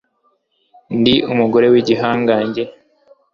Ndi umugore wigihanganjye